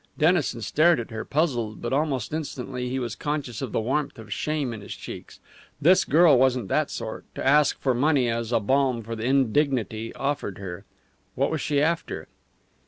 Dennison stared at her, puzzled, but almost instantly he was conscious of the warmth of shame in his cheeks. This girl wasn't that sort to ask for money as a balm for the indignity offered her. What was she after?